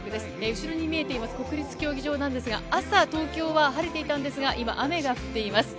後ろに見えています国立競技場ですが、朝、東京は晴れていたんですが、今、雨が降っています。